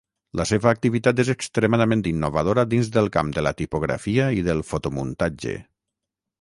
La seva activitat és extremadament innovadora dins del camp de la tipografia i del fotomuntatge.